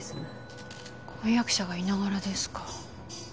婚約者がいながらですか。